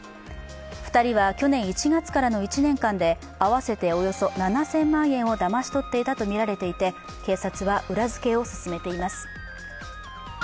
２人は去年１月からの１年間で合わせておよそ７０００万円をだまし取っていたとみられていて警察は裏づけを進めています。